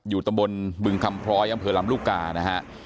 อยู่ตรงบนบึงคำพรอย่างเผลอลำลูกกานะฮะ